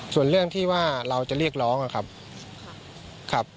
ส่วนเรื่องที่ว่าเราจะเรียกร้องนะครับ